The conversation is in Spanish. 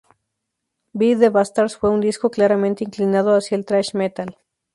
Beat the Bastards fue un disco claramente inclinado hacia el thrash metal.